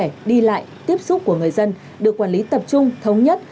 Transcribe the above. sức khỏe đi lại tiếp xúc của người dân được quản lý tập trung thống nhất